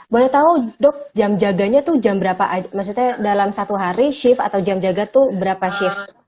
boleh tahu dok jam jaganya itu dalam satu hari shift atau jam jaga itu berapa shift